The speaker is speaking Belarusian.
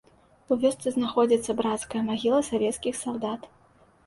У вёсцы знаходзіцца брацкая магіла савецкіх салдат.